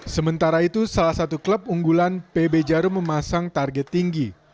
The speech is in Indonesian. sementara itu salah satu klub unggulan pb jarum memasang target tinggi